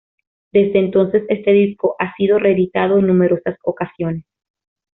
Desde entonces este disco ha sido reeditado en numerosas ocasiones.